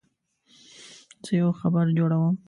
زه یو خبر جوړوم.